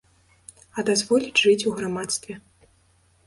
А дазволіць жыць у грамадстве.